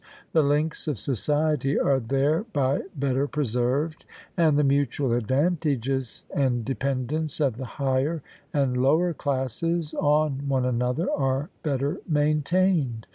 The links of society are thereby better preserved, and the mutual advantages and dependence of the higher and lower classes on one another are better maintained.